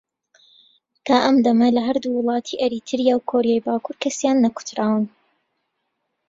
تا ئەم دەمە لە هەردوو وڵاتی ئەریتریا و کۆریای باکوور کەسیان نەکوتراون